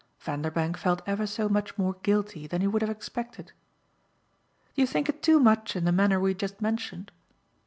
Vanderbank felt ever so much more guilty than he would have expected. "You think it too much in the manner we just mentioned?"